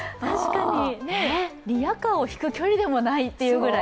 リヤカーを引く距離でもないというぐらい。